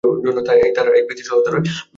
তাই তারা এক ব্যক্তির সহায়তায় শহরে প্রবেশ করেন।